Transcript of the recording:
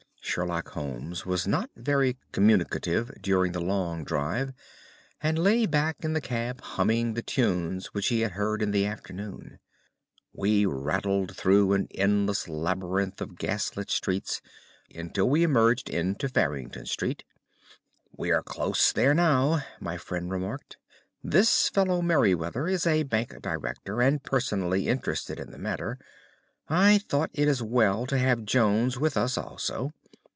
Sherlock Holmes was not very communicative during the long drive and lay back in the cab humming the tunes which he had heard in the afternoon. We rattled through an endless labyrinth of gas lit streets until we emerged into Farrington Street. "We are close there now," my friend remarked. "This fellow Merryweather is a bank director, and personally interested in the matter. I thought it as well to have Jones with us also.